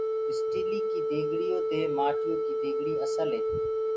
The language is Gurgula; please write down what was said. اسٽيليِ ڪي ديگڙيو دي مآٽيو ڪي ديگڙي اسل هي۔